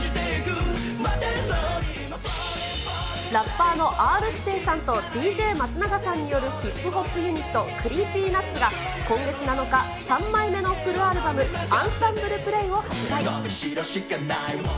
ラッパーのＲー指定さんとＤＪ松永さんによるヒップホップユニット、ＣｒｅｅｐｙＮｕｔｓが、今月７日、３枚目のフルアルバム、アンサンブル・プレイを発売。